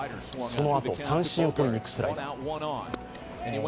そのあと、三振をとりにいくスライダー。